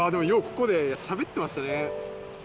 ここでしゃべってましたね